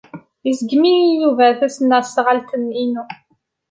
Iṣeggem-iyi Yuba tasnasɣalt-inu.